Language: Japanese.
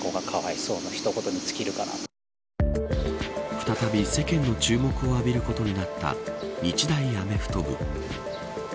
再び世間の注目を浴びることになった日大アメフト部。